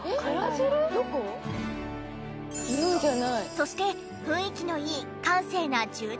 そして雰囲気のいいあれ？